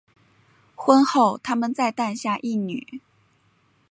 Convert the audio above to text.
婚后他们再诞下一女。